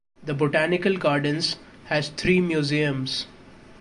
The Botanical Gardens has three museums.